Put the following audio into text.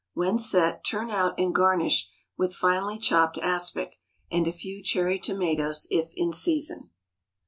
When set, turn out and garnish with finely chopped aspic, and a few cherry tomatoes if in season.